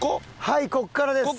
はいここからです。